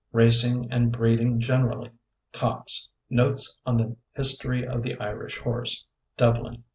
Racing and Breeding Generally Cox: Notes on the History of the Irish Horse (Dublin, 1897).